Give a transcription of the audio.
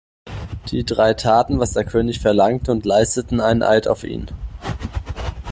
Die drei taten, was der König verlangte, und leisteten einen Eid auf ihn.